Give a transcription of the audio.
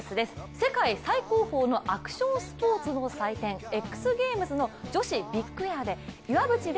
世界最高峰のアクションスポーツの祭典ＸＧａｍｅｓの女子ビッグエアで岩渕麗